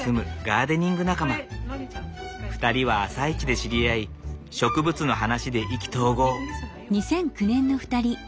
２人は朝市で知り合い植物の話で意気投合。